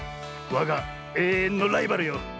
わがえいえんのライバルよ。